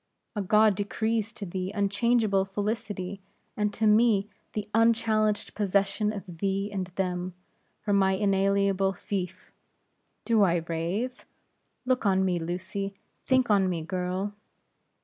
A god decrees to thee unchangeable felicity; and to me, the unchallenged possession of thee and them, for my inalienable fief. Do I rave? Look on me, Lucy; think on me, girl."